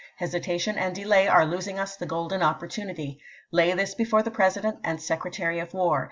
Hesitation and delay are losing us the golden opportunity. Lay this before the President voi."vii., and Secretary of War.